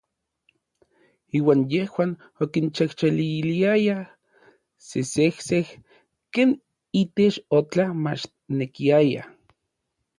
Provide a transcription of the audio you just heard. Iuan yejuan okinxejxeliliayaj sesejsej ken itech otla machnekiaya.